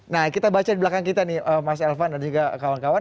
nah kita baca di belakang kita nih mas elvan dan juga kawan kawan